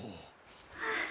はあ。